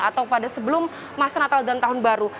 atau pada sebelum masa natal dan tahun baru